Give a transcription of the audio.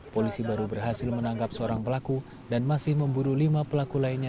polisi baru berhasil menangkap seorang pelaku dan masih memburu lima pelaku lainnya